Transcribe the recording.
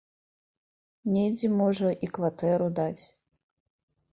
Недзе, можа, і кватэру даць.